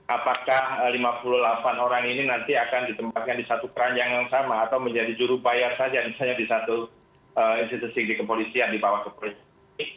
apakah lima puluh delapan orang ini nanti akan ditempatkan di satu keranjang yang sama atau menjadi jurubayar saja misalnya di satu institusi di kepolisian di bawah kepolisian